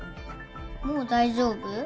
もう大丈夫？